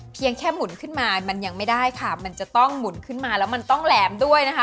เพียงแค่หมุนขึ้นมามันยังไม่ได้ค่ะมันจะต้องหมุนขึ้นมาแล้วมันต้องแหลมด้วยนะคะ